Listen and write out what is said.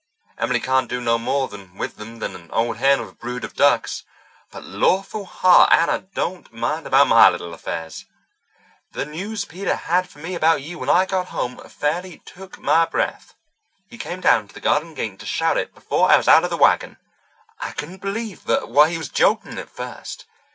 Emily can't do no more with them than an old hen with a brood of ducks. But, lawful heart, Anna, don't mind about my little affairs! The news Peter had for me about you when I got home fairly took my breath. He came down to the garden gate to shout it before I was out of the wagon. I couldn't believe but what he was joking at first.